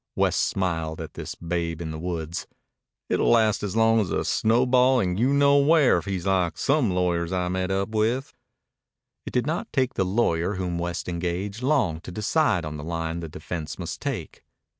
West smiled at this babe in the woods. "It'll last as long as a snowball in you know where if he's like some lawyers I've met up with." It did not take the lawyer whom West engaged long to decide on the line the defense must take.